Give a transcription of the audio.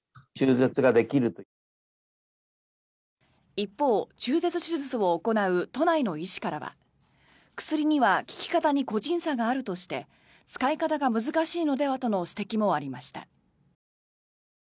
一方、中絶手術を行う都内の医師からは薬には効き方に個人差があるとして使い方が難しいのではとの指摘もありました。